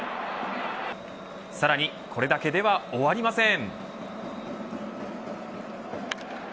さらにこれだけでは終わりません。